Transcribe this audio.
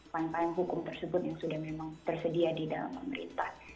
pane pain hukum tersebut yang sudah memang tersedia di dalam pemerintah